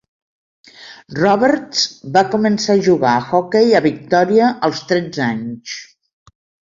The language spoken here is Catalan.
Roberts va començar a jugar a hoquei a Victòria als tretze anys.